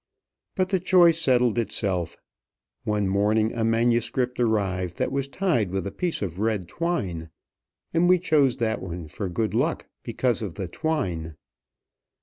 But the choice settled itself. One morning a manuscript arrived that was tied with a piece of red twine, and we chose that one for good luck because of the twine.